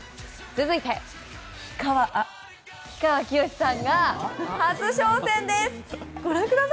続いて、氷川きよしさんが初挑戦です。